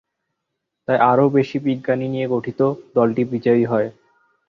তাই আরও বেশি বিজ্ঞানী নিয়ে গঠিত দলটি বিজয়ী হয়।